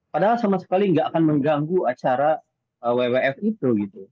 padahal sama sekali nggak akan mengganggu acara wwf itu gitu